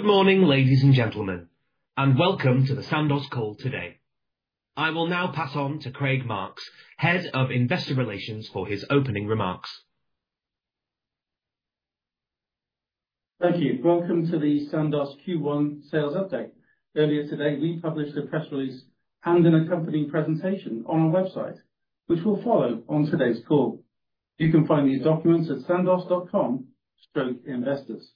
Good morning, ladies and gentlemen, and welcome to the Sandoz call today. I will now pass on to Craig Marks, Head of Investor Relations, for his opening remarks. Thank you. Welcome to the Sandoz Q1 Sales Update. Earlier today, we published a press release and an accompanying presentation on our website, which will follow on today's call. You can find these documents at sandoz.com/investors.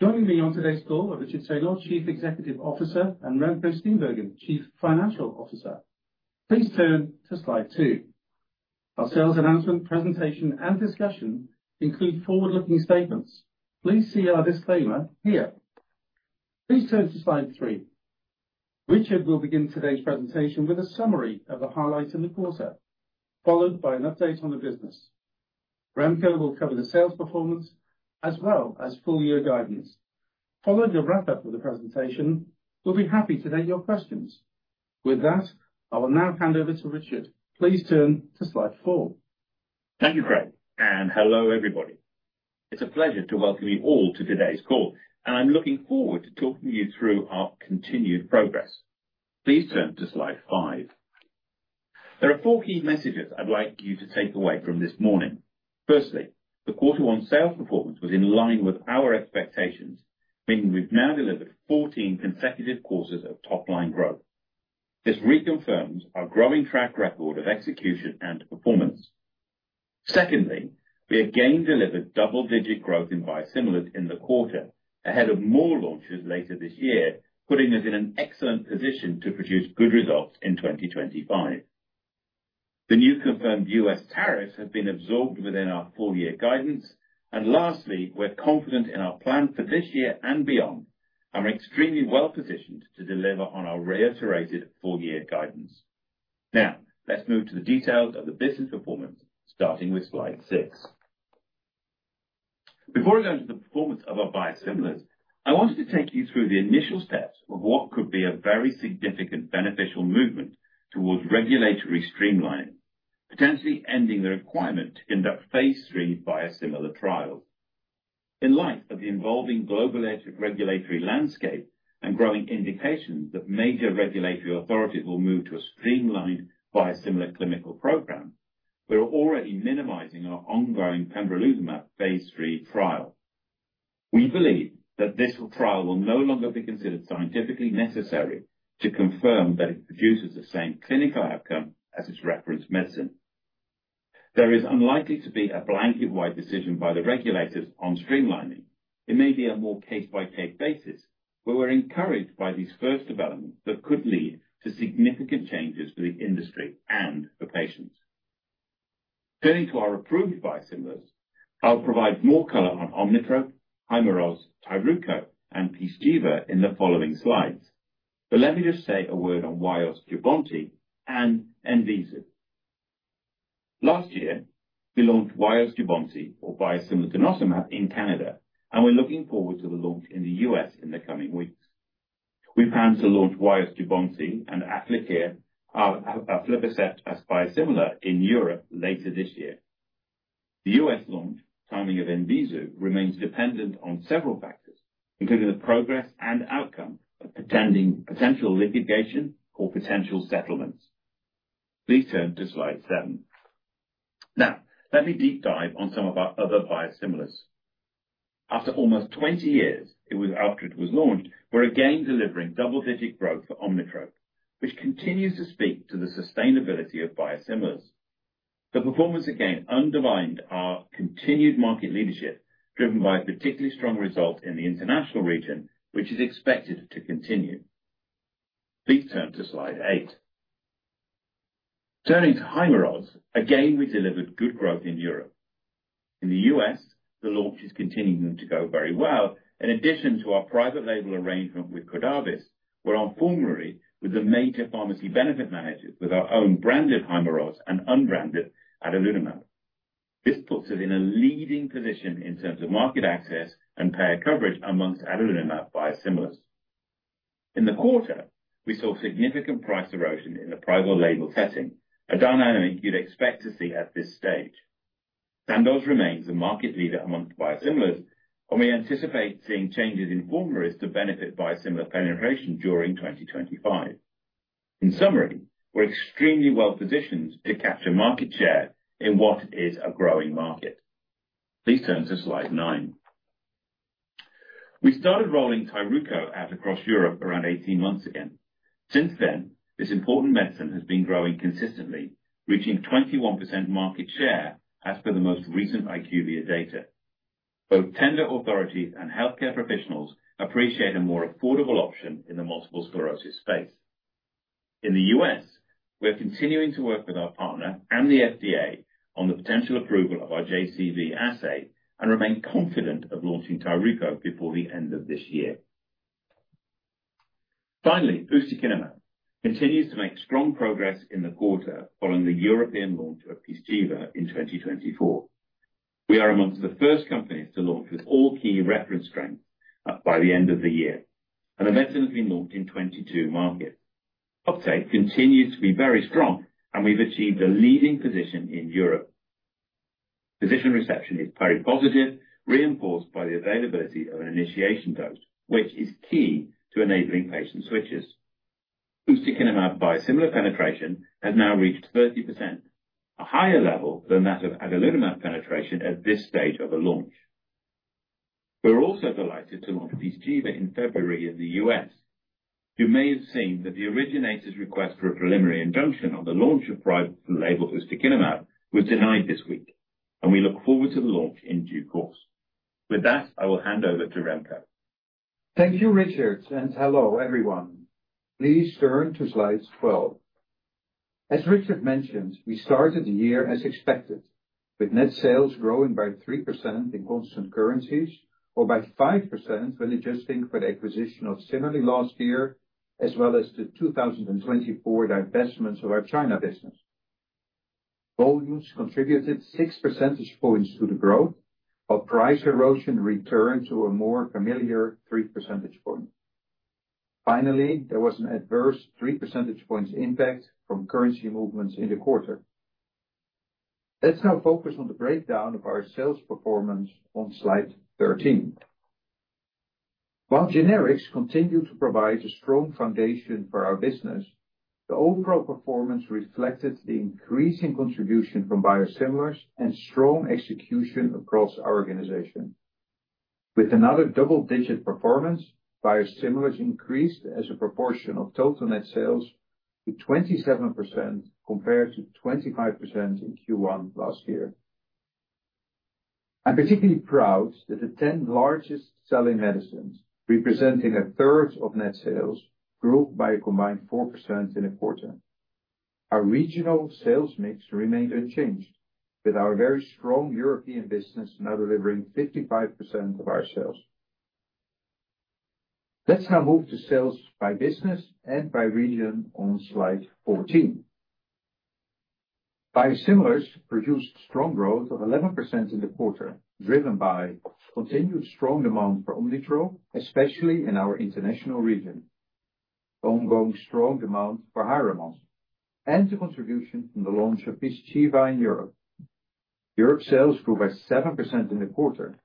Joining me on today's call are Richard Saynor, Chief Executive Officer, and Remco Steenbergen, Chief Financial Officer. Please turn to slide two. Our sales announcement, presentation, and discussion include forward-looking statements. Please see our disclaimer here. Please turn to slide three. Richard will begin today's presentation with a summary of the highlights in the quarter, followed by an update on the business. Remco will cover the sales performance as well as full-year guidance. Following a wrap-up of the presentation, we'll be happy to take your questions. With that, I will now hand over to Richard. Please turn to slide four. Thank you, Craig, and hello, everybody. It's a pleasure to welcome you all to today's call, and I'm looking forward to talking you through our continued progress. Please turn to slide five. There are four key messages I'd like you to take away from this morning. Firstly, the quarter-one sales performance was in line with our expectations, meaning we've now delivered 14 consecutive quarters of top-line growth. This reconfirms our growing track record of execution and performance. Secondly, we again delivered double-digit growth in biosimilars in the quarter, ahead of more launches later this year, putting us in an excellent position to produce good results in 2025. The new confirmed U.S. tariffs have been absorbed within our full-year guidance. Lastly, we're confident in our plan for this year and beyond and are extremely well-positioned to deliver on our reiterated full-year guidance. Now, let's move to the details of the business performance, starting with slide six. Before I go into the performance of our biosimilars, I wanted to take you through the initial steps of what could be a very significant beneficial movement towards regulatory streamlining, potentially ending the requirement to conduct phase III biosimilar trials. In light of the evolving global regulatory landscape and growing indications that major regulatory authorities will move to a streamlined biosimilar clinical program, we're already minimizing our ongoing pembrolizumab phase III trial. We believe that this trial will no longer be considered scientifically necessary to confirm that it produces the same clinical outcome as its reference medicine. There is unlikely to be a blanket-wide decision by the regulators on streamlining. It may be a more case-by-case basis, but we're encouraged by these first developments that could lead to significant changes for the industry and for patients. Turning to our approved biosimilars, I'll provide more color on OMNITROPE, HYRIMOZ, TYRUKO, and PYZCHIVA in the following slides. Let me just say a word on WYOST/JUBBONTI and ENZEEVU. Last year, we launched WYOST/JUBBONTI, our biosimilar denosumab, in Canada, and we're looking forward to the launch in the U.S. in the coming weeks. We plan to launch WYOST/JUBBONTI and Afqlir or aflibercept as biosimilars in Europe later this year. The U.S. launch timing of ENZEEVU remains dependent on several factors, including the progress and outcome of potential litigation or potential settlements. Please turn to slide seven. Now, let me deep dive on some of our other biosimilars. After almost 20 years after it was launched, we're again delivering double-digit growth for OMNITROPE, which continues to speak to the sustainability of biosimilars. The performance again underlined our continued market leadership, driven by a particularly strong result in the international region, which is expected to continue. Please turn to slide eight. Turning to HYRIMOZ, again, we delivered good growth in Europe. In the U.S., the launch is continuing to go very well. In addition to our private label arrangement with CVS, we are on formulary with the major pharmacy benefit managers with our own branded HYRIMOZ and unbranded adalimumab. This puts us in a leading position in terms of market access and payer coverage amongst adalimumab biosimilars. In the quarter, we saw significant price erosion in the private label setting, a dynamic you would expect to see at this stage. Sandoz remains the market leader amongst biosimilars, and we anticipate seeing changes in formularies to benefit biosimilar penetration during 2025. In summary, we are extremely well-positioned to capture market share in what is a growing market. Please turn to slide nine. We started rolling TYRUKO out across Europe around 18 months ago. Since then, this important medicine has been growing consistently, reaching 21% market share as per the most recent IQVIA data. Both tender authorities and healthcare professionals appreciate a more affordable option in the multiple sclerosis space. In the U.S., we're continuing to work with our partner and the FDA on the potential approval of our JCV assay and remain confident of launching TYRUKO before the end of this year. Finally, ustekinumab continues to make strong progress in the quarter following the European launch of PYZCHIVA in 2024. We are amongst the first companies to launch with all key reference strengths by the end of the year, and the medicine has been launched in 22 markets. Uptake continues to be very strong, and we've achieved a leading position in Europe. Physician reception is very positive, reinforced by the availability of an initiation dose, which is key to enabling patient switches. Ustekinumab biosimilar penetration has now reached 30%, a higher level than that of adalimumab penetration at this stage of the launch. We're also delighted to launch PYZCHIVA in February in the U.S. You may have seen that the originator's request for a preliminary injunction on the launch of private label ustekinumab was denied this week, and we look forward to the launch in due course. With that, I will hand over to Remco. Thank you, Richard, and hello, everyone. Please turn to slide 12. As Richard mentioned, we started the year as expected, with net sales growing by 3% in constant currencies or by 5% when adjusting for the acquisition of CIMERLI last year, as well as the 2024 divestments of our China business. Volumes contributed 6 percentage points to the growth, but price erosion returned to a more familiar 3 percentage points. Finally, there was an adverse 3 percentage points impact from currency movements in the quarter. Let's now focus on the breakdown of our sales performance on slide 13. While generics continue to provide a strong foundation for our business, the overall performance reflected the increasing contribution from biosimilars and strong execution across our organization. With another double-digit performance, biosimilars increased as a proportion of total net sales to 27% compared to 25% in Q1 last year. I'm particularly proud that the 10 largest-selling medicines, representing a third of net sales, grew by a combined 4% in the quarter. Our regional sales mix remained unchanged, with our very strong European business now delivering 55% of our sales. Let's now move to sales by business and by region on slide 14. Biosimilars produced strong growth of 11% in the quarter, driven by continued strong demand for OMNITROPE, especially in our international region, ongoing strong demand for HYRIMOZ, and the contribution from the launch of PYZCHIVA in Europe. Europe sales grew by 7% in the quarter.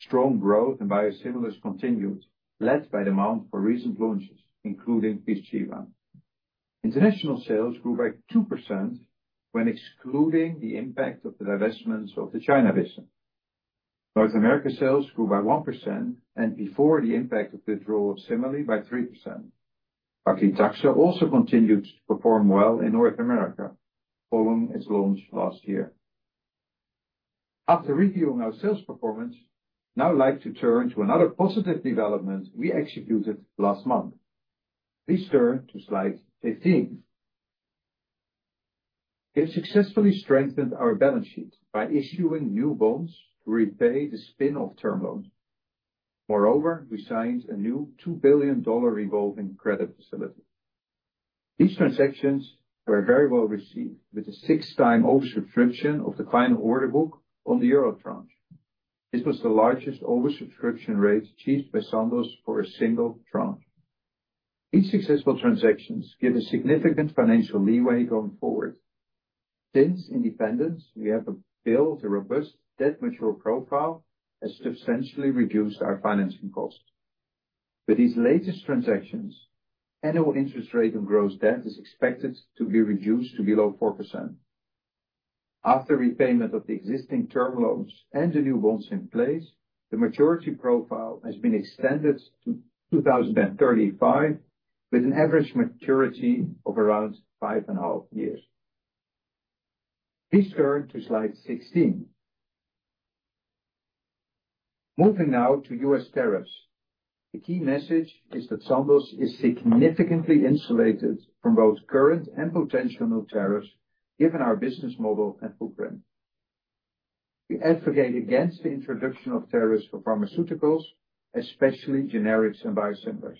Strong growth in biosimilars continued, led by demand for recent launches, including PYZCHIVA. International sales grew by 2% when excluding the impact of the divestments of the China business. North America sales grew by 1% and before the impact of the draw of CIMERLI by 3%. Paclitaxel also continued to perform well in North America, following its launch last year. After reviewing our sales performance, I'd like to turn to another positive development we executed last month. Please turn to slide 15. We have successfully strengthened our balance sheet by issuing new bonds to repay the spin-off term loans. Moreover, we signed a new $2 billion revolving credit facility. These transactions were very well received, with a six-time oversubscription of the final order book on the euro tranche. This was the largest oversubscription rate achieved by Sandoz for a single tranche. These successful transactions give a significant financial leeway going forward. Since independence, we have built a robust debt mature profile that substantially reduced our financing costs. With these latest transactions, annual interest rate on gross debt is expected to be reduced to below 4%. After repayment of the existing term loans and the new bonds in place, the maturity profile has been extended to 2035, with an average maturity of around five and a half years. Please turn to slide 16. Moving now to U.S. tariffs. The key message is that Sandoz is significantly insulated from both current and potential new tariffs, given our business model and footprint. We advocate against the introduction of tariffs for pharmaceuticals, especially generics and biosimilars.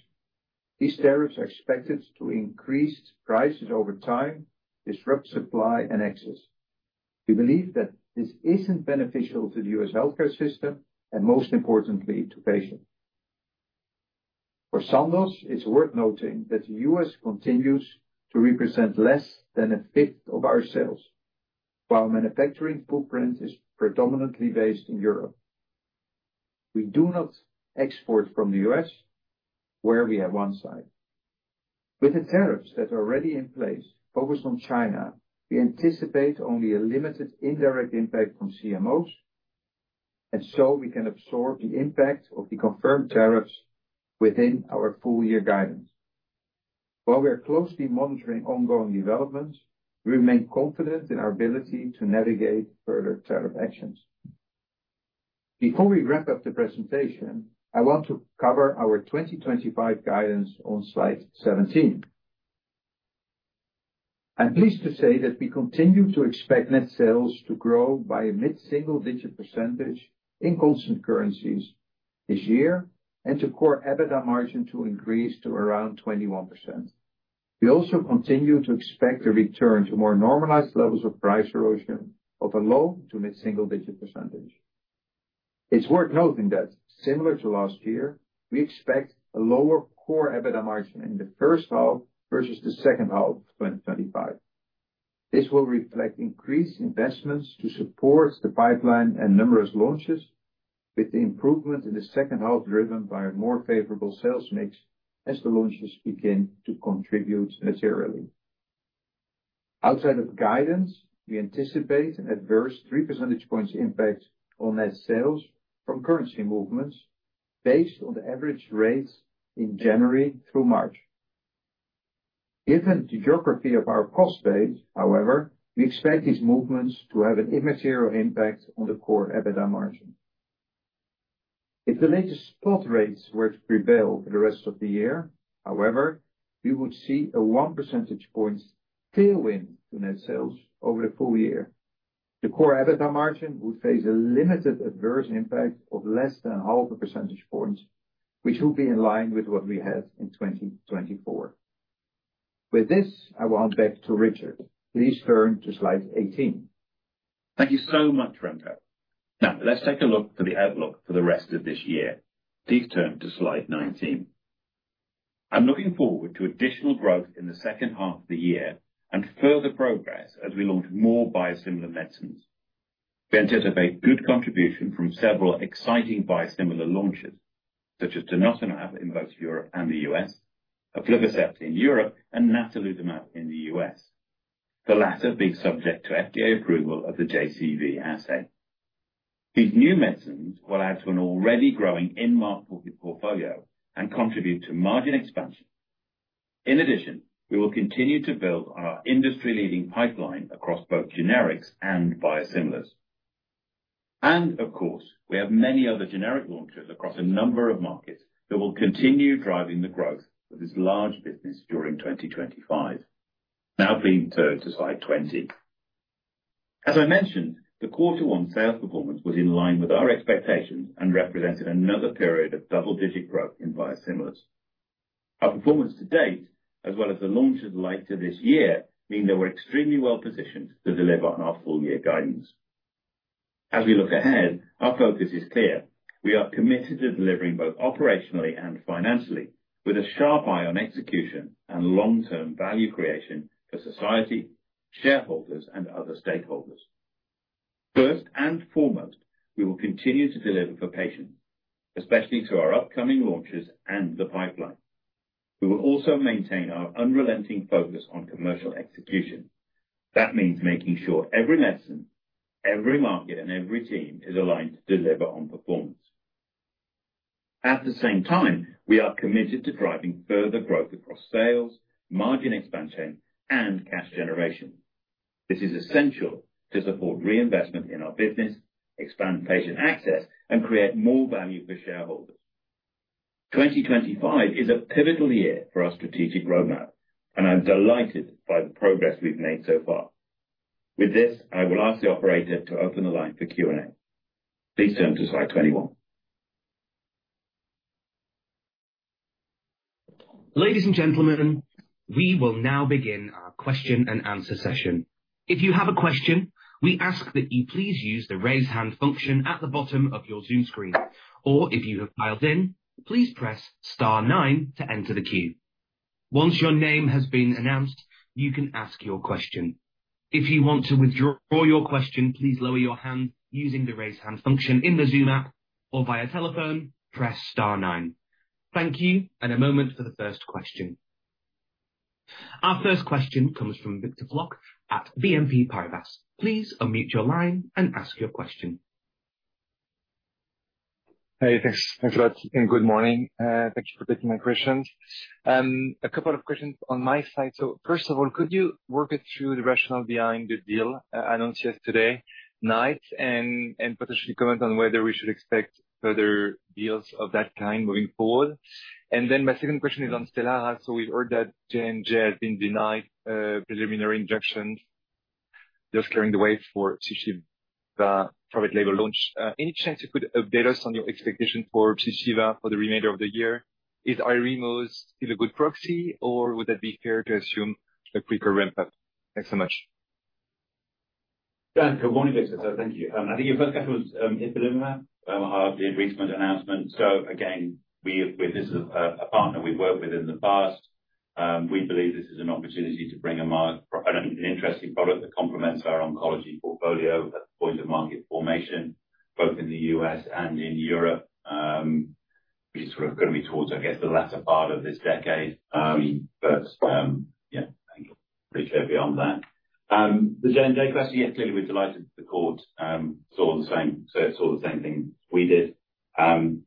These tariffs are expected to increase prices over time, disrupt supply, and access. We believe that this isn't beneficial to the U.S. healthcare system and, most importantly, to patients. For Sandoz, it's worth noting that the U.S. continues to represent less than a fifth of our sales, while manufacturing footprint is predominantly based in Europe. We do not export from the U.S., where we have one site. With the tariffs that are already in place, focused on China, we anticipate only a limited indirect impact from CMOs, and so we can absorb the impact of the confirmed tariffs within our full-year guidance. While we are closely monitoring ongoing developments, we remain confident in our ability to navigate further tariff actions. Before we wrap up the presentation, I want to cover our 2025 guidance on slide 17. I'm pleased to say that we continue to expect net sales to grow by a mid-single-digit % in constant currencies this year and core EBITDA margin to increase to around 21%. We also continue to expect a return to more normalized levels of price erosion of a low to mid-single-digit percentage. It's worth noting that, similar to last year, we expect a lower core EBITDA margin in the first half versus the second half of 2025. This will reflect increased investments to support the pipeline and numerous launches, with the improvement in the second half driven by a more favorable sales mix as the launches begin to contribute materially. Outside of guidance, we anticipate an adverse 3 percentage points impact on net sales from currency movements based on the average rates in January through March. Given the geography of our cost base, however, we expect these movements to have an immaterial impact on the core EBITDA margin. If the latest spot rates were to prevail for the rest of the year, however, we would see a 1 percentage point tailwind to net sales over the full year. The core EBITDA margin would face a limited adverse impact of less than half a percentage point, which would be in line with what we had in 2024. With this, I will hand back to Richard. Please turn to slide 18. Thank you so much, Remco. Now, let's take a look at the outlook for the rest of this year. Please turn to slide 19. I'm looking forward to additional growth in the second half of the year and further progress as we launch more biosimilar medicines. We anticipate good contribution from several exciting biosimilar launches, such as denosumab in both Europe and the U.S., aflibercept in Europe, and natalizumab in the U.S., the latter being subject to FDA approval of the JCV assay. These new medicines will add to an already growing in-market portfolio and contribute to margin expansion. In addition, we will continue to build on our industry-leading pipeline across both generics and biosimilars. Of course, we have many other generic launches across a number of markets that will continue driving the growth of this large business during 2025. Now, please turn to slide 20. As I mentioned, the quarter-one sales performance was in line with our expectations and represented another period of double-digit growth in biosimilars. Our performance to date, as well as the launches later this year, mean we are extremely well-positioned to deliver on our full-year guidance. As we look ahead, our focus is clear. We are committed to delivering both operationally and financially, with a sharp eye on execution and long-term value creation for society, shareholders, and other stakeholders. First and foremost, we will continue to deliver for patients, especially through our upcoming launches and the pipeline. We will also maintain our unrelenting focus on commercial execution. That means making sure every medicine, every market, and every team is aligned to deliver on performance. At the same time, we are committed to driving further growth across sales, margin expansion, and cash generation. This is essential to support reinvestment in our business, expand patient access, and create more value for shareholders. 2025 is a pivotal year for our strategic roadmap, and I'm delighted by the progress we've made so far. With this, I will ask the operator to open the line for Q&A. Please turn to slide 21. Ladies and gentlemen, we will now begin our question and answer session. If you have a question, we ask that you please use the raise hand function at the bottom of your Zoom screen, or if you have dialed in, please press star nine to enter the queue. Once your name has been announced, you can ask your question. If you want to withdraw your question, please lower your hand using the raise hand function in the Zoom app, or via telephone, press star nine. Thank you, and a moment for the first question. Our first question comes from Victor Floc'h at BNP Paribas. Please unmute your line and ask your question. Hey, thanks. Thanks a lot, and good morning. Thank you for taking my questions. A couple of questions on my side. First of all, could you work it through the rationale behind the deal announced yesterday night and potentially comment on whether we should expect further deals of that kind moving forward? My second question is on STELARA. We've heard that Johnson & Johnson has been denied preliminary injunctions, clearing the way for PYZCHIVA private label launch. Any chance you could update us on your expectation for PYZCHIVA for the remainder of the year? Is HYRIMOZ still a good proxy, or would that be fair to assume a quicker ramp-up? Thanks so much. Good morning, Victor. Thank you. I think your first question was ipilimumab, the increased monitoring announcement. This is a partner we've worked with in the past. We believe this is an opportunity to bring an interesting product that complements our oncology portfolio at the point of market formation, both in the U.S. and in Europe. We're going to be towards, I guess, the latter part of this decade. Yeah, thank you. Pretty clear beyond that. The J&J question, yes, clearly we're delighted that the court saw the same thing we did.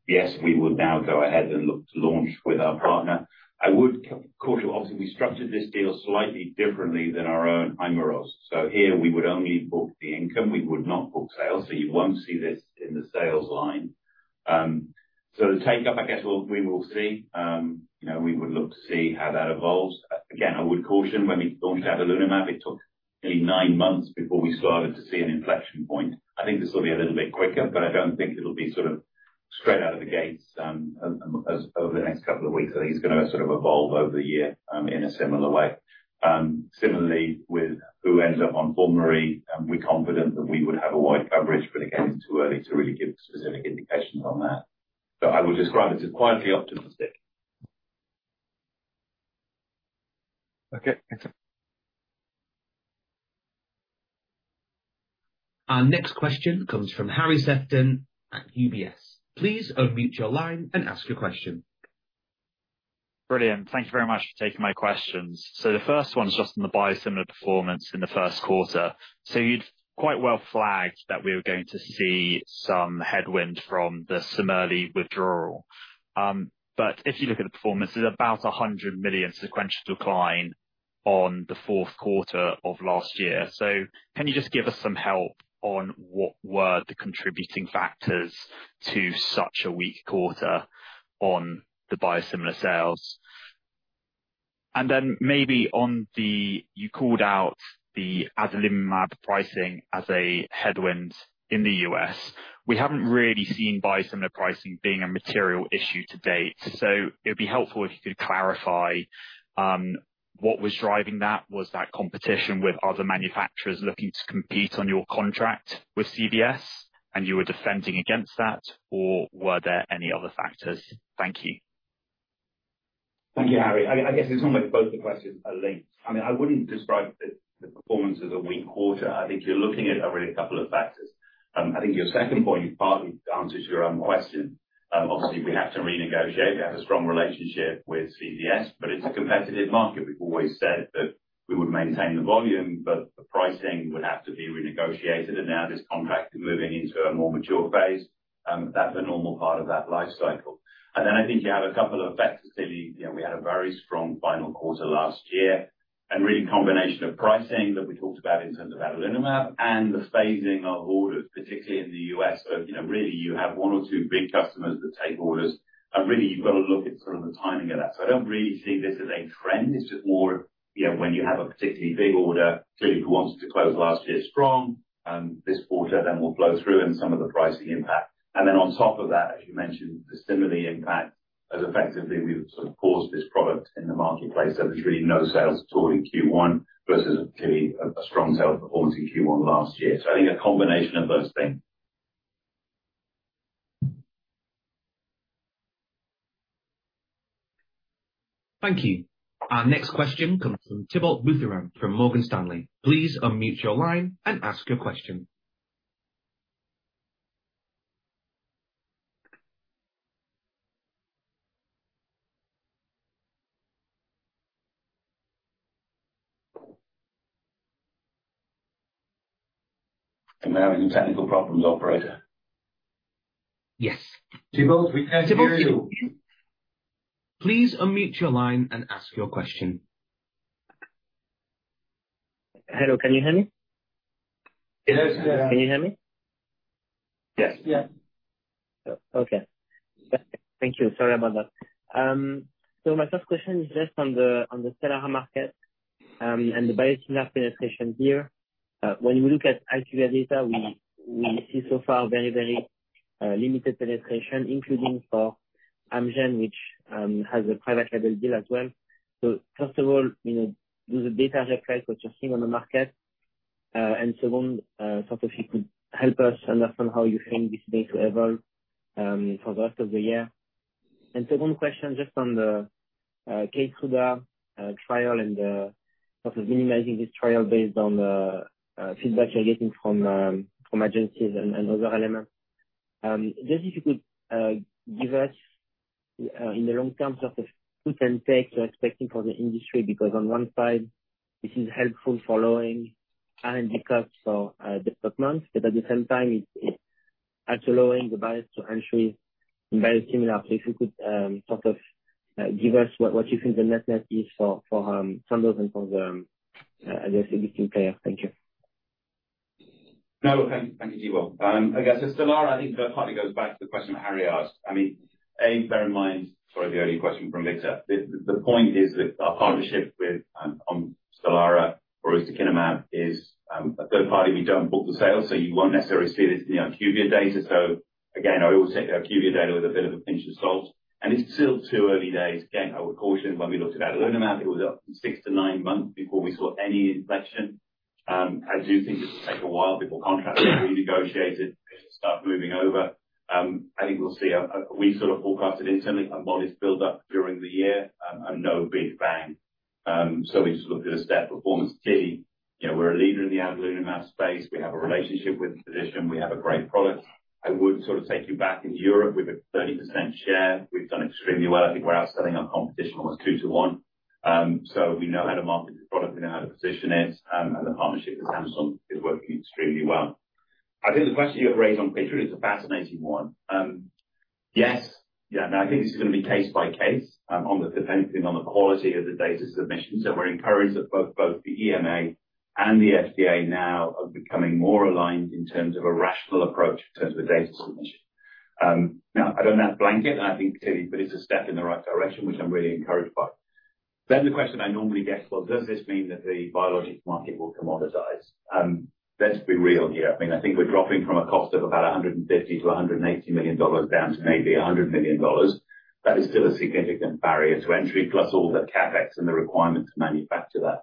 Yes, we would now go ahead and look to launch with our partner. I would, of course, obviously, we structured this deal slightly differently than our own Imiros. Here, we would only book the income. We would not book sales. You won't see this in the sales line. The take-up, I guess, we will see. We would look to see how that evolves. Again, I would caution when we launched adalimumab, it took nearly nine months before we started to see an inflection point. I think this will be a little bit quicker, but I don't think it'll be sort of straight out of the gates over the next couple of weeks. I think it's going to sort of evolve over the year in a similar way. Similarly, with who ends up on formulary, we're confident that we would have a wide coverage, but again, it's too early to really give specific indications on that. I would describe it as quietly optimistic. Okay. Thanks. Our next question comes from Harry Sephton at UBS. Please unmute your line and ask your question. Brilliant. Thank you very much for taking my questions. The first one is just on the biosimilar performance in the first quarter. You'd quite well flagged that we were going to see some headwind from the CIMERLI withdrawal. If you look at the performance, there's about $100 million sequential decline on the fourth quarter of last year. Can you just give us some help on what were the contributing factors to such a weak quarter on the biosimilar sales? Maybe on the, you called out the adalimumab pricing as a headwind in the U.S., we haven't really seen biosimilar pricing being a material issue to date. It would be helpful if you could clarify what was driving that. Was that competition with other manufacturers looking to compete on your contract with CVS, and you were defending against that, or were there any other factors? Thank you. Thank you, Harry. I guess it's almost both the questions are linked. I mean, I wouldn't describe the performance as a weak quarter. I think you're looking at a couple of factors. I think your second point partly answers your own question. Obviously, we have to renegotiate. We have a strong relationship with CVS, but it's a competitive market. We've always said that we would maintain the volume, but the pricing would have to be renegotiated. Now this contract is moving into a more mature phase. That's a normal part of that life cycle. I think you have a couple of factors. Clearly, we had a very strong final quarter last year. Really, the combination of pricing that we talked about in terms of adalimumab and the phasing of orders, particularly in the U.S., so really, you have one or two big customers that take orders. You have got to look at sort of the timing of that. I do not really see this as a trend. It is just more when you have a particularly big order, clearly, you want it to close last year strong. This quarter, that will flow through and some of the pricing impact. On top of that, as you mentioned, the CIMERLI impact has effectively paused this product in the marketplace. There are really no sales at all in Q1 versus clearly a strong sales performance in Q1 last year. I think a combination of those things. Thank you. Our next question comes from Thibault Boutherin from Morgan Stanley. Please unmute your line and ask your question. Am I having technical problems, operator? Yes. Thibault, we can hear you. Please unmute your line and ask your question. Hello, can you hear me? Hello, sir. Can you hear me? Yes. Yeah. Okay. Thank you. Sorry about that. My first question is just on the STELARA market and the biosimilar penetration here. When we look at IQVIA data, we see so far very, very limited penetration, including for Amgen, which has a private label deal as well. First of all, do the data reflect what you're seeing on the market? Second, if you could help us understand how you think this is going to evolve for the rest of the year. Second question, just on the Keytruda trial and minimizing this trial based on the feedback you're getting from agencies and other elements. Just if you could give us, in the long term, sort of put and take you're expecting for the industry, because on one side, this is helpful for lowering R&D costs for development, but at the same time, it's also lowering the bias to entry in biosimilars. If you could sort of give us what you think the net net is for Sandoz and for the existing players. Thank you. No, thank you, Thibault. Again, so STELARA, I think that partly goes back to the question Harry asked. I mean, bear in mind, sorry, the earlier question from Victor. The point is that our partnership with STELARA or with ustekinumab is a third party. We don't book the sales, so you won't necessarily see this in the IQVIA data. I always take the IQVIA data with a bit of a pinch of salt. It's still too early days. I would caution when we looked at adalimumab, it was six to nine months before we saw any inflection. I do think it will take a while before contracts are renegotiated and things start moving over. I think we'll see. We sort of forecasted internally a modest build-up during the year and no big bang. We just looked at a step performance. Clearly, we're a leader in the adalimumab space. We have a relationship with the physician. We have a great product. I would sort of take you back into Europe. We have a 30% share. We've done extremely well. I think we're outselling our competition almost two to one. We know how to market the product. We know how to position it. The partnership with Samsung is working extremely well. I think the question you have raised on [PYZCHIVA] is a fascinating one. Yes. Yeah. I think this is going to be case by case depending on the quality of the data submission. We're encouraged that both the EMA and the FDA now are becoming more aligned in terms of a rational approach in terms of data submission. Now, I don't know how to blank it, and I think clearly, but it's a step in the right direction, which I'm really encouraged by. The question I normally get is, does this mean that the biologics market will commoditize? Let's be real here. I mean, I think we're dropping from a cost of about $150 million-$180 million down to maybe $100 million. That is still a significant barrier to entry, plus all the CapEx and the requirements to manufacture that.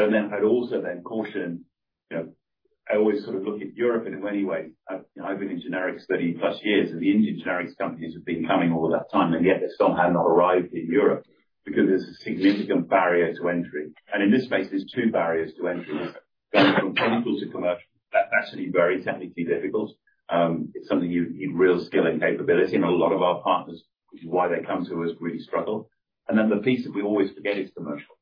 I would also caution, I always sort of look at Europe in a way. I've been in generics 30 plus years, and the Indian generics companies have been coming all of that time, and yet they somehow have not arrived in Europe because there's a significant barrier to entry. In this space, there are two barriers to entry. Going from chemical to commercial, that's actually very technically difficult. It's something you need real skill and capability, and a lot of our partners, which is why they come to us, really struggle. The piece that we always forget is commercial.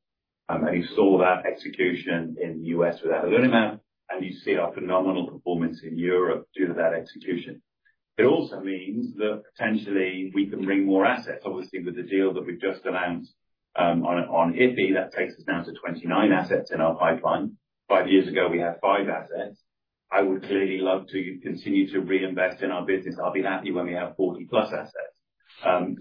You saw that execution in the U.S. with adalimumab, and you see our phenomenal performance in Europe due to that execution. It also means that potentially we can bring more assets. Obviously, with the deal that we've just announced on ipilimumab, that takes us down to 29 assets in our pipeline. Five years ago, we had five assets. I would clearly love to continue to reinvest in our business. I'll be happy when we have 40+ assets. I think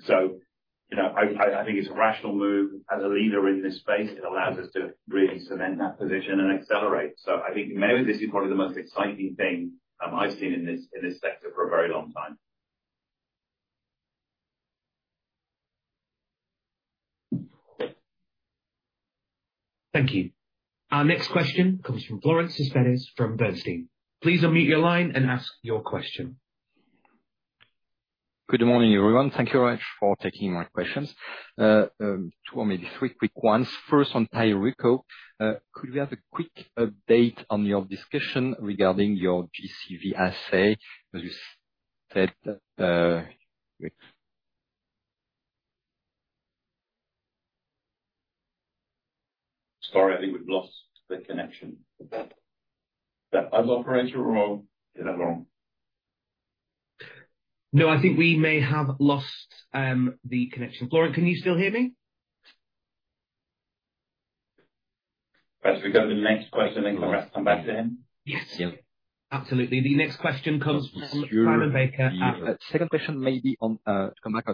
it's a rational move. As a leader in this space, it allows us to really cement that position and accelerate. I think maybe this is probably the most exciting thing I've seen in this sector for a very long time. Thank you. Our next question comes from Florent Cespedes from Bernstein. Please unmute your line and ask your question. Good morning, everyone. Thank you very much for taking my questions. Two or maybe three quick ones. First, on TYRUKO, could we have a quick update on your discussion regarding your JCV assay? As you said. Sorry, I think we've lost the connection. Is that us, operator, or is that Florent? No, I think we may have lost the connection. Florent, can you still hear me? That's because the next question, I think, we'll have to come back to him. Yes. Absolutely. The next question comes from Simon Baker at. Second question may be to come back.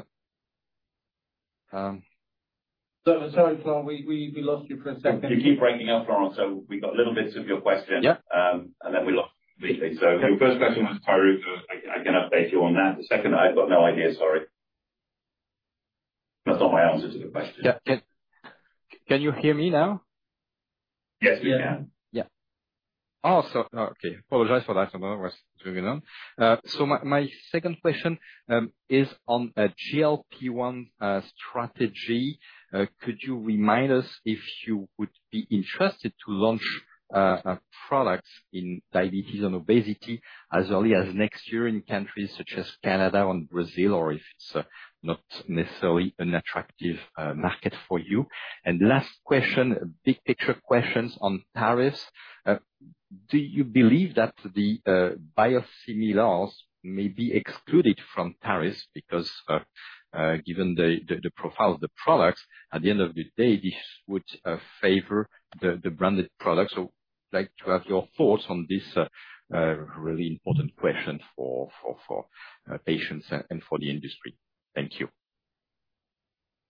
Sorry, Florent, we lost you for a second. You keep breaking up, Florent. We have got little bits of your question, and then we lost you. Your first question was TYRUKO. I can update you on that. The second, I have got no idea, sorry. That is not my answer to the question. Yeah. Can you hear me now? Yes, we can. Yeah. Oh, okay. Apologize for that. I know I was moving on. My second question is on a GLP-1 strategy. Could you remind us if you would be interested to launch a product in diabetes and obesity as early as next year in countries such as Canada and Brazil, or if it's not necessarily an attractive market for you? Last question, big picture questions on tariffs. Do you believe that the biosimilars may be excluded from tariffs? Because given the profile of the products, at the end of the day, this would favor the branded products. I'd like to have your thoughts on this really important question for patients and for the industry. Thank you.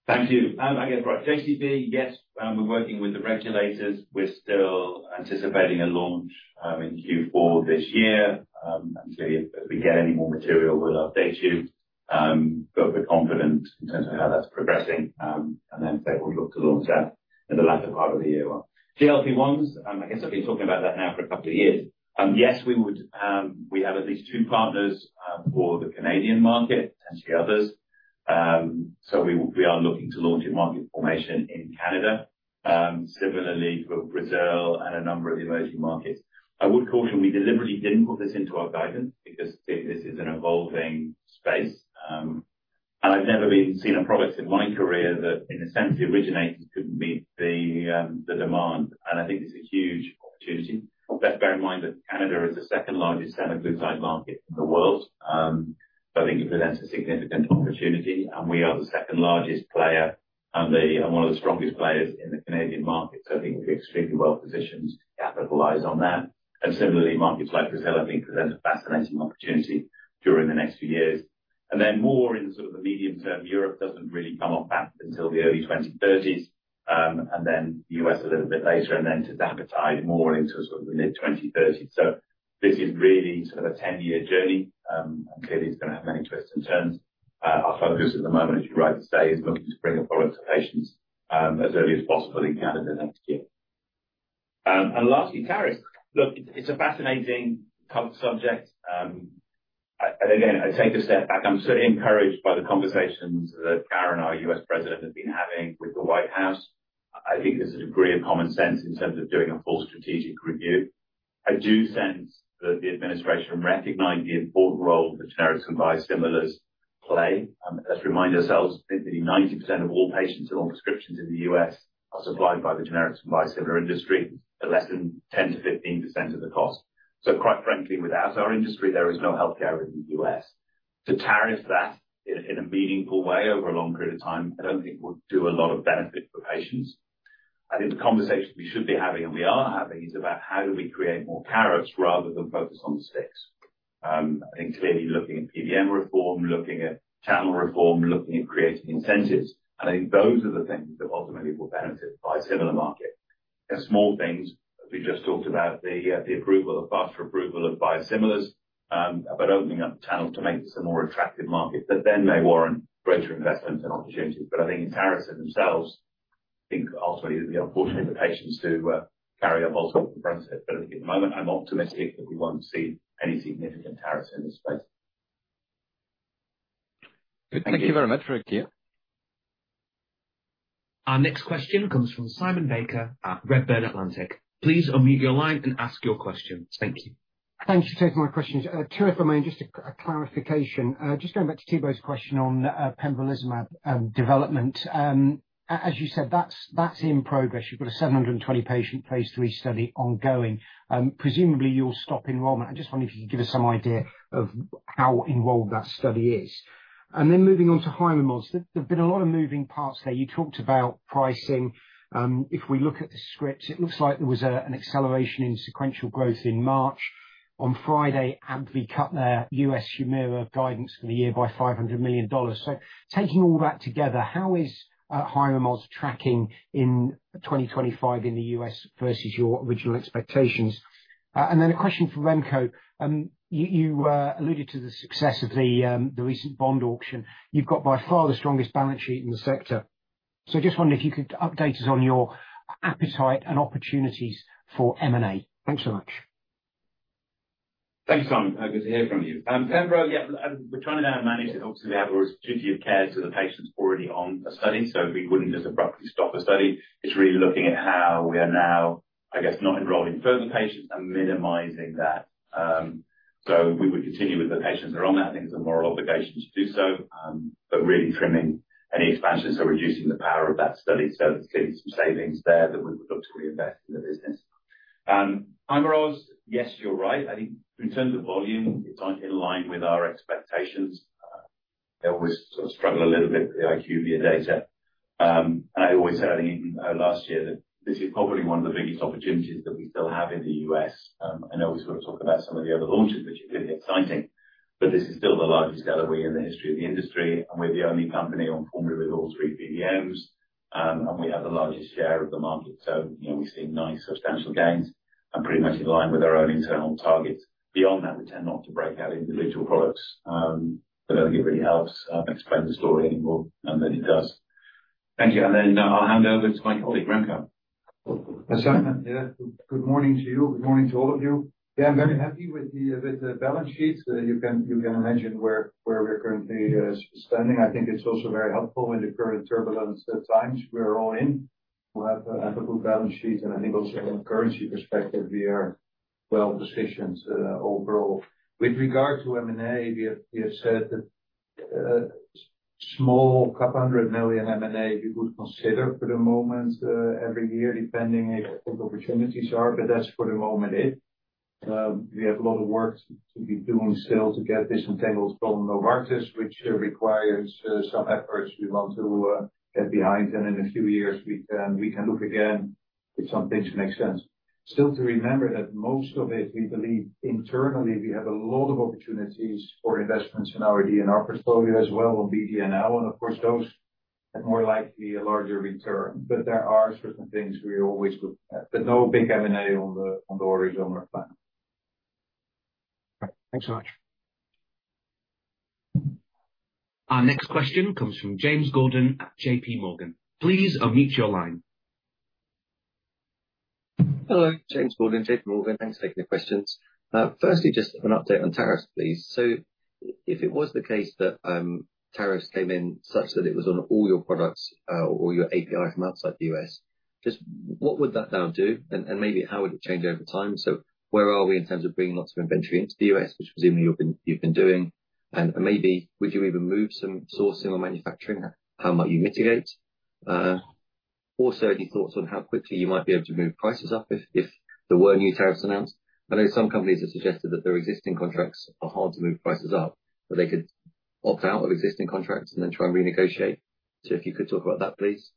Thank you. I guess, right, JCV, yes, we're working with the regulators. We're still anticipating a launch in Q4 this year. Clearly, if we get any more material, we'll update you. We're confident in terms of how that's progressing. I would say we'll look to launch that in the latter part of the year. GLP-1s, I guess I've been talking about that now for a couple of years. Yes, we have at least two partners for the Canadian market, potentially others. We are looking to launch in market formation in Canada, similarly for Brazil and a number of emerging markets. I would caution, we deliberately didn't put this into our guidance because this is an evolving space. I've never seen a product in my career that, in a sense, originated, couldn't meet the demand. I think this is a huge opportunity. Let's bear in mind that Canada is the second largest semaglutide market in the world. I think it presents a significant opportunity. We are the second largest player and one of the strongest players in the Canadian market. I think we're extremely well positioned to capitalize on that. Similarly, markets like Brazil, I think, present a fascinating opportunity during the next few years. More in sort of the medium term, Europe doesn't really come up until the early 2030s. The U.S. a little bit later, and then to sabotage more into sort of the mid-2030s. This is really sort of a 10-year journey. Clearly, it's going to have many twists and turns. Our focus at the moment, as you're right to say, is looking to bring a product to patients as early as possible in Canada next year. Lastly, tariffs. Look, it's a fascinating subject. I take a step back. I'm certainly encouraged by the conversations that Karen, our U.S. President, has been having with the White House. I think there's a degree of common sense in terms of doing a full strategic review. I do sense that the administration recognized the important role that generics and biosimilars play. Let's remind ourselves that 90% of all patients on prescriptions in the U.S. are supplied by the generics and biosimilar industry, at less than 10%-15% of the cost. Quite frankly, without our industry, there is no healthcare in the U.S.. To tariff that in a meaningful way over a long period of time, I don't think will do a lot of benefit for patients. I think the conversation we should be having, and we are having, is about how do we create more carrots rather than focus on the sticks? I think clearly looking at PBM reform, looking at channel reform, looking at creating incentives. I think those are the things that ultimately will benefit the biosimilar market. Small things, as we just talked about, the approval, the faster approval of biosimilars, but opening up channels to make this a more attractive market that then may warrant greater investment and opportunities. I think in tariffs themselves, I think ultimately it would be unfortunate for patients to carry a multiple component of it. I think at the moment, I'm optimistic that we won't see any significant tariffs in this space. Thank you very much for your clarity. Our next question comes from Simon Baker at Redburn Atlantic. Please unmute your line and ask your question. Thank you. Thanks for taking my question. Terrific, I mean, just a clarification. Just going back to Thibault's question on pembrolizumab development. As you said, that's in progress. You've got a 720-patient phase III study ongoing. Presumably, you'll stop enrollment. I just wonder if you could give us some idea of how involved that study is. Moving on to HYRIMOZ, there've been a lot of moving parts there. You talked about pricing. If we look at the scripts, it looks like there was an acceleration in sequential growth in March. On Friday, AbbVie cut their U.S. HUMIRA guidance for the year by $500 million. Taking all that together, how is HYRIMOZ tracking in 2025 in the U.S. versus your original expectations? A question for Remco. You alluded to the success of the recent bond auction. You've got by far the strongest balance sheet in the sector. I just wonder if you could update us on your appetite and opportunities for M&A. Thanks so much. Thanks, Simon. Good to hear from you. Pembro, yeah, we're trying to now manage it. Obviously, we have a rigidity of care to the patients already on the study. We wouldn't just abruptly stop the study. It's really looking at how we are now, I guess, not enrolling further patients and minimizing that. We would continue with the patients that are on that. I think it's a moral obligation to do so, but really trimming any expansion. Reducing the power of that study. There's clearly some savings there that we would look to reinvest in the business. HYRIMOZ, yes, you're right. I think in terms of volume, it's in line with our expectations. I always sort of struggle a little bit with the IQVIA data. I always said, I think last year, that this is probably one of the biggest opportunities that we still have in the U.S. I know we sort of talk about some of the other launches, which are really exciting, but this is still the largest delivery in the history of the industry. We are the only company on formulary with all three PBMs, and we have the largest share of the market. We have seen nice substantial gains and pretty much in line with our own internal targets. Beyond that, we tend not to break out individual products. I think it really helps explain the story anymore than it does. Thank you. I will hand over to my colleague, Remco. Simon, yeah, good morning to you. Good morning to all of you. Yeah, I'm very happy with the balance sheets. You can imagine where we're currently standing. I think it's also very helpful in the current turbulence times. We're all in. We'll have a good balance sheet. I think also from a currency perspective, we are well positioned overall. With regard to M&A, we have said that small, couple hundred million M&A we would consider for the moment every year depending if opportunities are, but that's for the moment it. We have a lot of work to be doing still to get this entangled from Novartis, which requires some efforts we want to get behind. In a few years, we can look again if some things make sense. Still, to remember that most of it, we believe internally, we have a lot of opportunities for investments in our D&R portfolio as well on BD&L. Of course, those have more likely a larger return. There are certain things we always look at. No big M&A on the horizontal plan. Thanks so much. Our next question comes from James Gordon at JPMorgan. Please unmute your line. Hello, James Gordon, JPMorgan. Thanks for taking the questions. Firstly, just an update on tariffs, please. If it was the case that tariffs came in such that it was on all your products or your API from outside the U.S., just what would that now do? Maybe how would it change over time? Where are we in terms of bringing lots of inventory into the U.S., which presumably you've been doing? Maybe would you even move some sourcing or manufacturing? How might you mitigate? Also, any thoughts on how quickly you might be able to move prices up if there were new tariffs announced? I know some companies have suggested that their existing contracts are hard to move prices up, but they could opt out of existing contracts and then try and renegotiate. If you could talk about that, please.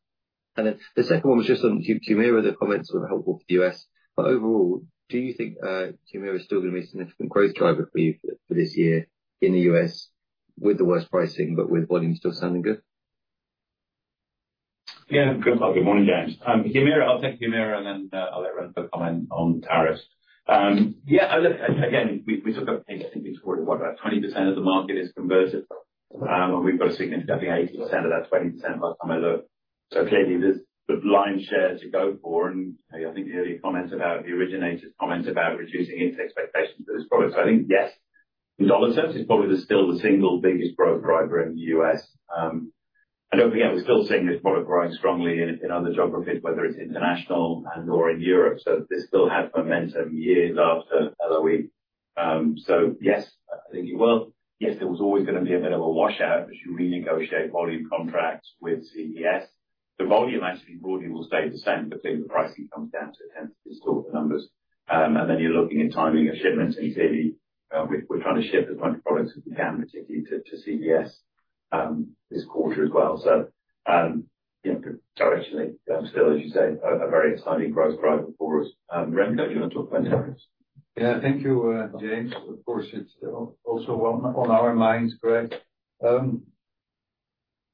The second one was just on HUMIRA. The comments were helpful for the U.S.. Overall, do you think HUMIRA is still going to be a significant growth driver for you for this year in the U.S. with the worst pricing, but with volume still sounding good? Yeah, good morning, James. HUMIRA, I'll take HUMIRA, and then I'll let Remco comment on tariffs. Yeah, again, we took up, I think it's 41, about 20% of the market is converted. And we've got a significant 80% of that 20% by Cordavis. Clearly, there's the blind shares to go for. I think the earlier comments about the originator's comments about reducing its expectations for this product. I think, yes, in dollar sense, it's probably still the single biggest growth driver in the U.S. Don't forget, we're still seeing this product growing strongly in other geographies, whether it's international and/or in Europe. This still has momentum years after LOE. Yes, I think it will. Yes, there was always going to be a bit of a washout as you renegotiate volume contracts with CVS. The volume actually broadly will stay the same, but clearly the pricing comes down to a tendency to talk the numbers. You are looking at timing of shipments. Clearly, we are trying to ship as much product as we can, particularly to CVS this quarter as well. Directionally, still, as you say, a very exciting growth driver for us. Remco, do you want to talk about tariffs? Yeah, thank you, James. Of course, it's also on our minds, Greg.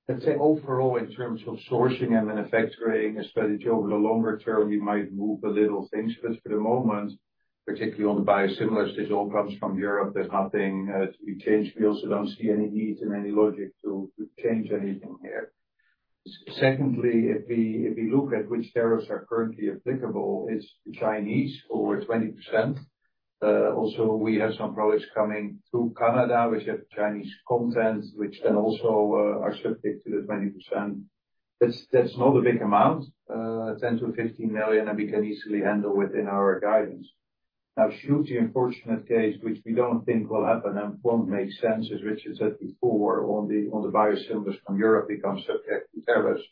Let's say overall, in terms of sourcing and manufacturing strategy over the longer term, we might move a little things. For the moment, particularly on the biosimilars, this all comes from Europe. There's nothing to change. We also don't see any need and any logic to change anything here. Secondly, if we look at which tariffs are currently applicable, it's the Chinese for 20%. Also, we have some products coming through Canada, which have Chinese content, which then also are subject to the 20%. That's not a big amount, $10 million-$15 million, and we can easily handle within our guidance. Now, should the unfortunate case, which we don't think will happen and won't make sense, as Richard said before, on the biosimilars from Europe becomes subject to tariffs.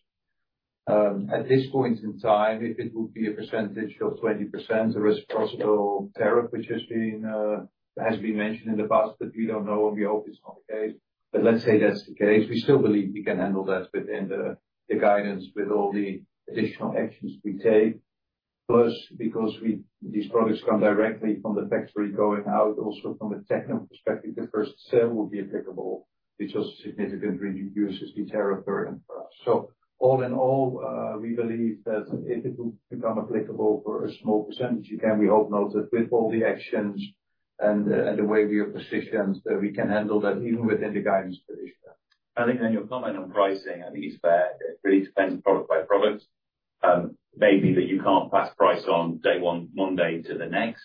At this point in time, if it would be a percentage of 20%, the risk of possible tariff, which has been mentioned in the past, but we do not know, and we hope it is not the case. Let's say that is the case. We still believe we can handle that within the guidance with all the additional actions we take. Plus, because these products come directly from the factory going out, also from a technical perspective, the first sale will be applicable, which also significantly reduces the tariff burden for us. All in all, we believe that if it will become applicable for a small percentage again, we hope not, that with all the actions and the way we are positioned, we can handle that even within the guidance position. I think then your comment on pricing, I think it's fair. It really depends on product by product. Maybe that you can't pass price on day one Monday to the next,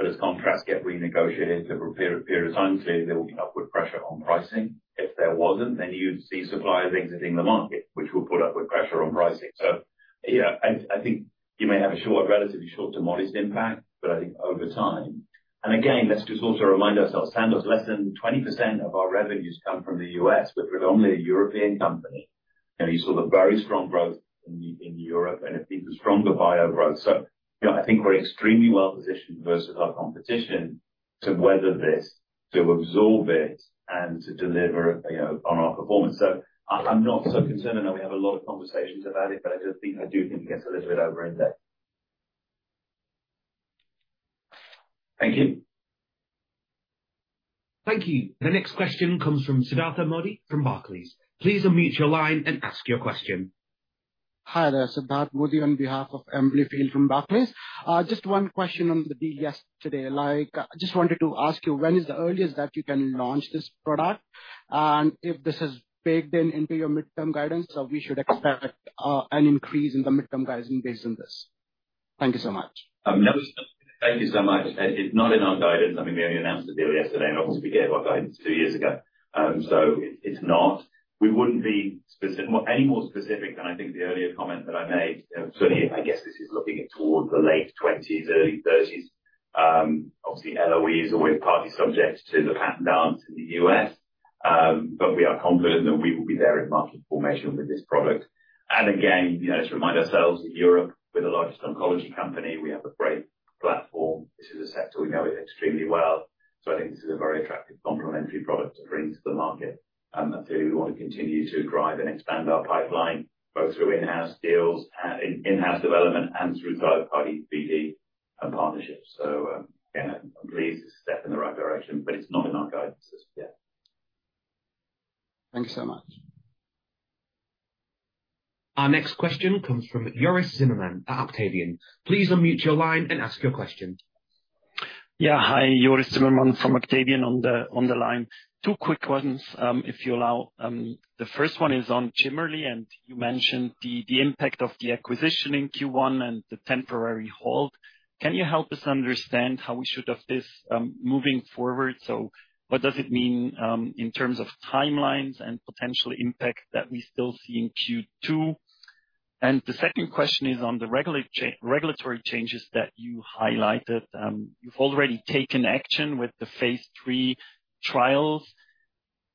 but as contracts get renegotiated over a period of time, clearly there will be upward pressure on pricing. If there wasn't, then you'd see suppliers exiting the market, which would put upward pressure on pricing. Yeah, I think you may have a relatively short to modest impact, but I think over time. Again, let's just also remind ourselves, Sandoz, less than 20% of our revenues come from the U.S., but predominantly a European company. You saw the very strong growth in Europe, and it's even stronger bio growth. I think we're extremely well positioned versus our competition to weather this, to absorb it, and to deliver on our performance. I'm not so concerned. I know we have a lot of conversations about it, but I do think it gets a little bit over in there. Thank you. Thank you. The next question comes from Sidhartha Modi from Barclays. Please unmute your line and ask your question. Hi, there's Sidhartha Modi on behalf of Emily Field from Barclays. Just one question on the deal yesterday. I just wanted to ask you, when is the earliest that you can launch this product? And if this has baked in into your midterm guidance, so we should expect an increase in the midterm guidance based on this. Thank you so much. Thank you so much. It's not in our guidance. I mean, we only announced the deal yesterday, and obviously we gave our guidance two years ago. So it's not. We wouldn't be any more specific than I think the earlier comment that I made. Certainly, I guess this is looking towards the late 2020s, early 2030s. Obviously, LOE is always partly subject to the patent dance in the U.S. We are confident that we will be there in market formation with this product. Again, let's remind ourselves, in Europe, we're the largest oncology company. We have a great platform. This is a sector we know extremely well. I think this is a very attractive complementary product to bring to the market. That's clearly where we want to continue to drive and expand our pipeline, both through in-house deals, in-house development, and through third-party BD and partnerships. I'm pleased it's a step in the right direction, but it's not in our guidance as of yet. Thank you so much. Our next question comes from Joris Zimmermann at Octavian. Please unmute your line and ask your question. Yeah, hi, Joris Zimmermann from Octavian on the line. Two quick ones, if you allow. The first one is on Chimerly, and you mentioned the impact of the acquisition in Q1 and the temporary hold. Can you help us understand how we should have this moving forward? What does it mean in terms of timelines and potential impact that we still see in Q2? The second question is on the regulatory changes that you highlighted. You've already taken action with the phase III trials.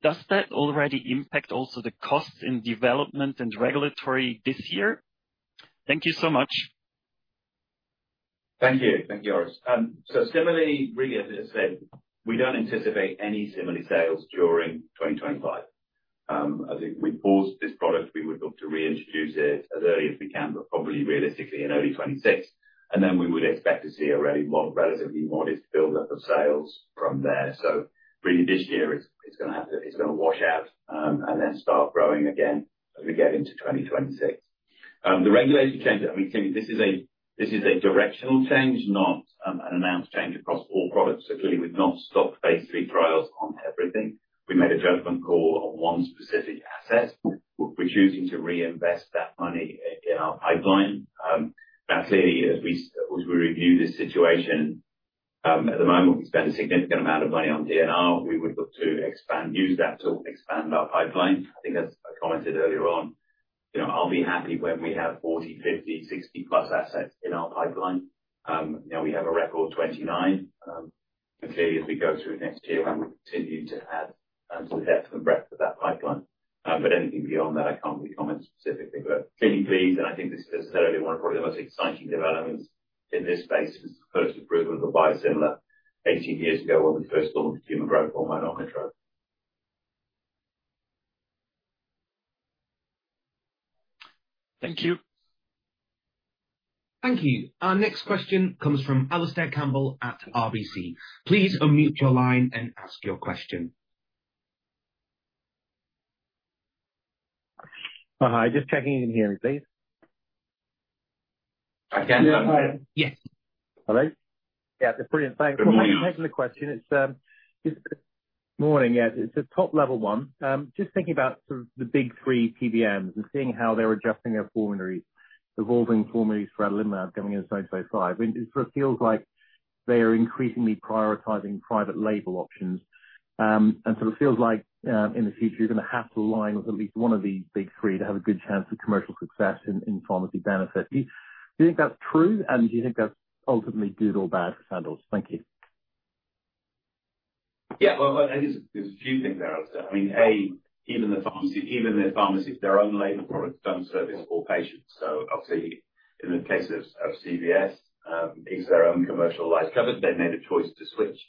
Does that already impact also the costs in development and regulatory this year? Thank you so much. Thank you. Thank you, Joris. Similarly, really, as I said, we do not anticipate any similar sales during 2025. I think we paused this product. We would look to reintroduce it as early as we can, but probably realistically in early 2026. We would expect to see a relatively modest build-up of sales from there. This year it is going to wash out and then start growing again as we get into 2026. The regulatory change, I mean, this is a directional change, not an announced change across all products. Clearly, we have not stopped phase III trials on everything. We made a judgment call on one specific asset. We are choosing to reinvest that money in our pipeline. Clearly, as we review this situation, at the moment, we spend a significant amount of money on D&R. We would look to use that to expand our pipeline. I think as I commented earlier on, I'll be happy when we have 40, 50, 60+ assets in our pipeline. Now we have a record 29. Clearly, as we go through next year, we'll continue to add to the depth and breadth of that pipeline. Anything beyond that, I can't really comment specifically. Clearly, pleased, and I think this is certainly one of probably the most exciting developments in this space since the first approval of the biosimilar 18 years ago when we first launched human growth hormone on the drug. Thank you. Thank you. Our next question comes from Alastair Campbell at RBC. Please unmute your line and ask your question. Hi, just checking in here, please. I can hear you. Yes. Hello? Yeah, it's brilliant. Thanks for taking the question. Morning. Yeah, it's a top-level one. Just thinking about sort of the big three PBMs and seeing how they're adjusting their formularies, evolving formularies for adalimumab coming in 2025. It sort of feels like they are increasingly prioritizing private label options. Sort of feels like in the future, you're going to have to align with at least one of these big three to have a good chance of commercial success in pharmacy benefit. Do you think that's true? Do you think that's ultimately good or bad, Sandoz? Thank you. Yeah, I think there's a few things there, Alistair. I mean, A, even the pharmacies, their own label products don't service all patients. Obviously, in the case of CVS, it's their own commercialized cover. They've made a choice to switch.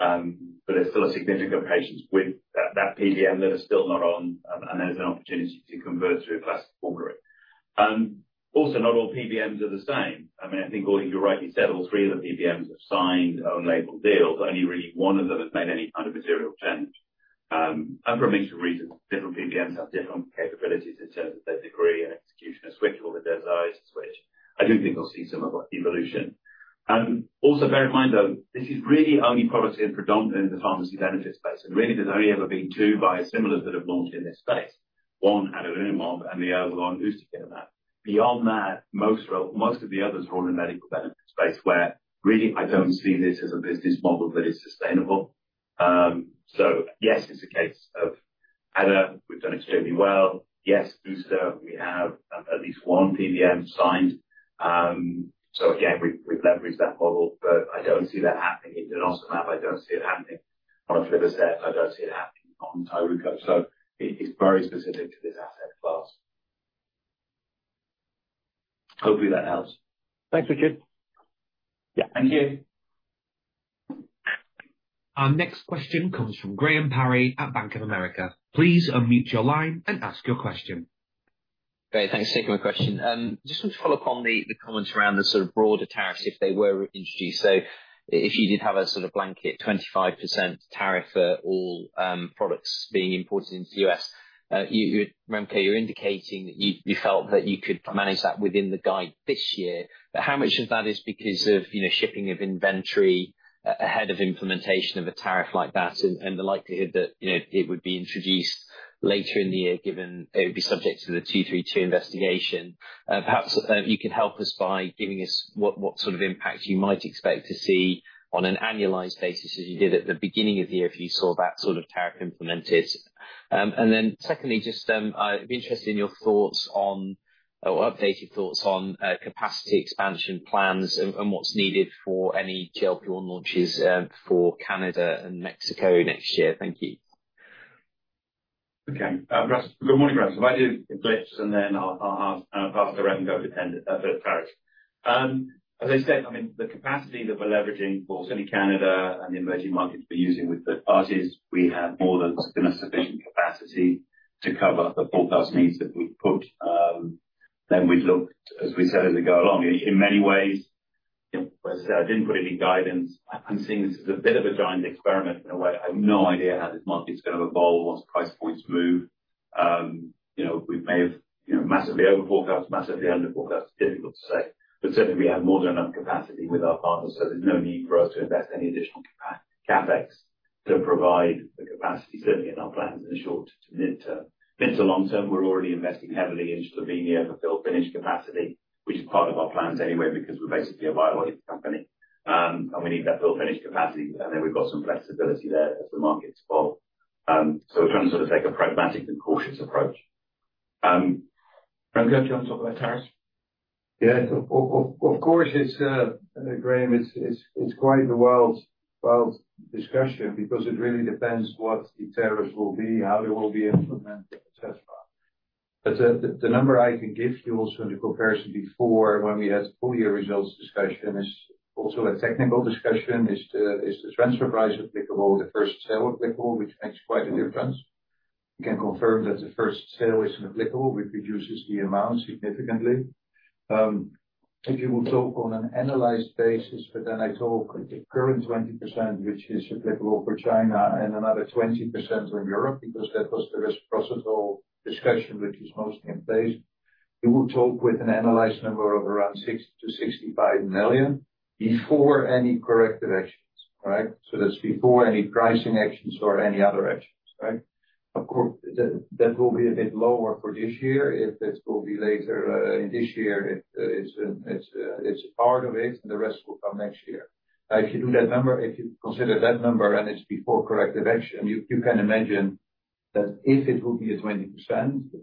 There's still a significant patient with that PBM that are still not on. There's an opportunity to convert to a classic formulary. Also, not all PBMs are the same. I mean, I think you rightly said all three of the PBMs have signed own label deals. Only really one of them has made any kind of material change. For a mix of reasons, different PBMs have different capabilities in terms of their degree and execution of switch or the desire to switch. I do think we'll see some of that evolution. Also, bear in mind, though, this is really only products in predominantly the pharmacy benefit space. Really, there's only ever been two biosimilars that have launched in this space, one adalimumab and the other one ustekinumab. Beyond that, most of the others are all in the medical benefit space, where really, I don't see this as a business model that is sustainable. Yes, it's a case of Ada, we've done extremely well. Yes, uste, we have at least one PBM signed. Again, we've leveraged that model. I don't see that happening in denosumab. I don't see it happening on aflibercept. I don't see it happening on TYRUKO. It is very specific to this asset class. Hopefully, that helps. Thanks, Richard. Yeah, thank you. Our next question comes from Graham Parry at Bank of America. Please unmute your line and ask your question. Great. Thanks for taking my question. Just want to follow up on the comments around the sort of broader tariffs if they were introduced. If you did have a sort of blanket 25% tariff for all products being imported into the U.S., Remco, you're indicating that you felt that you could manage that within the guide this year. How much of that is because of shipping of inventory ahead of implementation of a tariff like that and the likelihood that it would be introduced later in the year given it would be subject to the 232 investigation? Perhaps you could help us by giving us what sort of impact you might expect to see on an annualized basis as you did at the beginning of the year if you saw that sort of tariff implemented. Secondly, I'd be interested in your thoughts on or updated thoughts on capacity expansion plans and what's needed for any GLP-1 launches for Canada and Mexico next year. Thank you. Good morning, Graham. If I do a GLP and then I'll pass to Remco to send it for the tariff. As I said, the capacity that we're leveraging for certainly Canada and the emerging markets we're using with third parties, we have more than sufficient capacity to cover the 4,000 needs that we've put. We'd look, as we said, as we go along. In many ways, as I said, I didn't put any guidance. I'm seeing this as a bit of a giant experiment in a way. I have no idea how this market's going to evolve once price points move. We may have massively overforecast, massively underforecast. It's difficult to say. Certainly, we have more than enough capacity with our partners. There is no need for us to invest any additional CapEx to provide the capacity in our plans in the short to midterm. Mid to long term, we are already investing heavily in Slovenia for fill-finish capacity, which is part of our plans anyway because we are basically a biologics company. We need that fill-finish capacity. We have some flexibility there as the markets evolve. We are trying to sort of take a pragmatic and cautious approach. Remco, do you want to talk about tariffs? Yeah, of course, Graham, it's quite a wild discussion because it really depends what the tariff will be, how it will be implemented, etc. The number I can give you also in the comparison before when we had full year results discussion is also a technical discussion. Is the transfer price applicable, the first sale applicable, which makes quite a difference? We can confirm that the first sale is applicable, which reduces the amount significantly. If you talk on an annualized basis, but then I talk with the current 20%, which is applicable for China, and another 20% for Europe because that was the reciprocal discussion, which is mostly in place. You talk with an annualized number of around $60 million-$65 million before any corrective actions, right? That's before any pricing actions or any other actions, right? Of course, that will be a bit lower for this year. If it will be later this year, it's a part of it, and the rest will come next year. Now, if you do that number, if you consider that number and it's before corrective action, you can imagine that if it will be a 20%,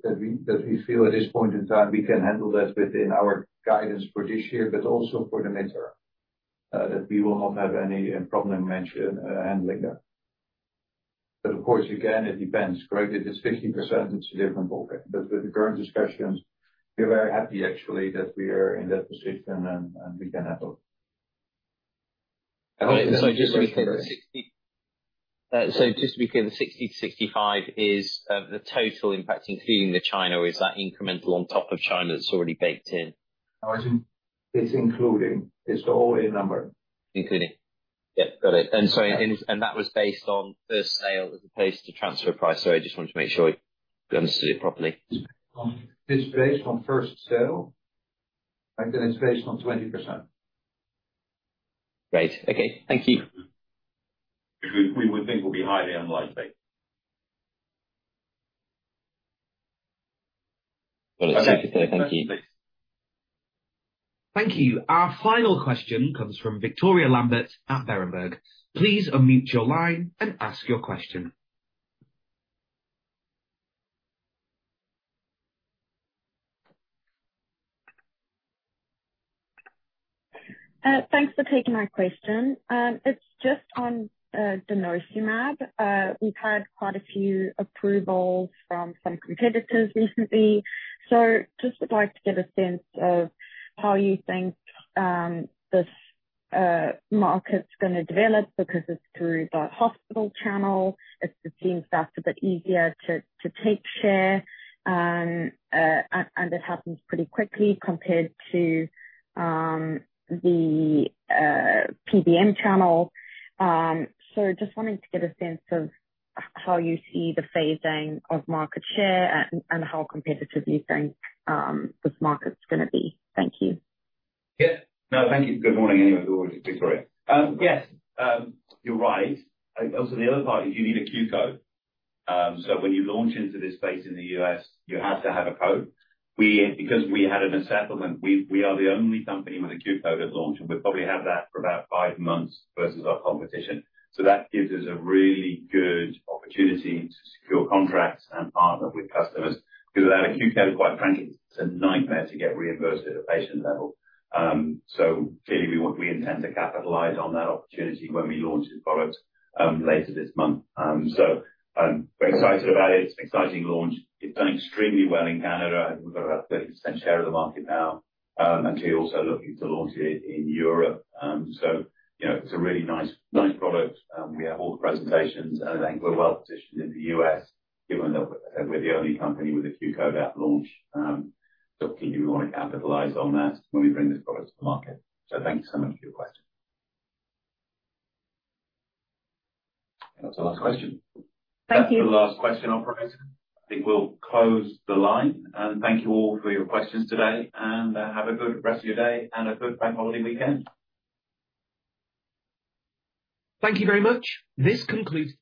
that we feel at this point in time we can handle that within our guidance for this year, but also for the midterm, that we will not have any problem mention handling that. Of course, again, it depends, correct? If it's 50%, it's a different ballgame. With the current discussions, we're very happy actually that we are in that position and we can handle it. Just to be clear, the 60 to 65 is the total impact, including the China, or is that incremental on top of China that's already baked in? No, it's including. It's the all-in number. Including. Yeah, got it. That was based on first sale as opposed to transfer price. I just wanted to make sure I understood it properly. It's based on first sale, and then it's based on 20%. Great. Okay. Thank you. Which we would think will be highly unlikely. Got it. Thank you. Thank you. Our final question comes from Victoria Lambert at Berenberg. Please unmute your line and ask your question. Thanks for taking my question. It's just on denosumab. We've had quite a few approvals from some competitors recently. Just would like to get a sense of how you think this market's going to develop because it's through the hospital channel. It seems that's a bit easier to take share, and it happens pretty quickly compared to the PBM channel. Just wanting to get a sense of how you see the phasing of market share and how competitive you think this market's going to be. Thank you. Yeah. No, thank you. Good morning anyway, Victoria. Yes, you're right. Also, the other part is you need a Q code. When you launch into this space in the U.S., you have to have a code. Because we had an assessment, we are the only company with a Q code at launch, and we probably have that for about five months versus our competition. That gives us a really good opportunity to secure contracts and partner with customers. Without a Q code, quite frankly, it's a nightmare to get reimbursed at a patient level. Clearly, we intend to capitalize on that opportunity when we launch the product later this month. We're excited about it. It's an exciting launch. It's done extremely well in Canada. I think we've got about a 30% share of the market now. We're also looking to launch it in Europe. It is a really nice product. We have all the presentations, and I think we are well positioned in the U.S., given that we are the only company with a Q code at launch. Clearly, we want to capitalize on that when we bring this product to the market. Thank you so much for your question. That is the last question. Thank you. That's the last question, Operator. I think we'll close the line. Thank you all for your questions today. Have a good rest of your day and a good bank holiday weekend. Thank you very much. This concludes.